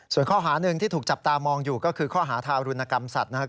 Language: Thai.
ส่วนข้อหาหนึ่งที่ถูกจับตามองอยู่ก็คือข้อหาทารุณกรรมสัตว์นะครับ